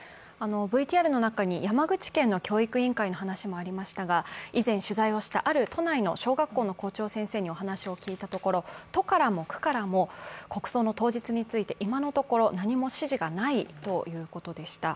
ＶＴＲの中に山口県の教育委員会の話もありましたが以前取材した、ある都内の小学校の校長先生にお話を聞いたところ都からも区からも、国葬の当日について今のところ何も指示がないということでした。